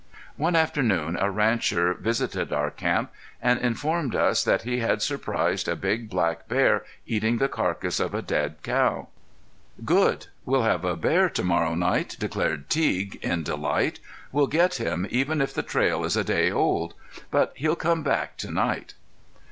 One afternoon a rancher visited our camp and informed us that he had surprised a big black bear eating the carcass of a dead cow. "Good! We'll have a bear to morrow night," declared Teague, in delight. "We'll get him even if the trail is a day old. But he'll come back to night."